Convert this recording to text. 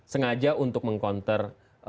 sengaja untuk mengkonter dua dua belas empat sebelas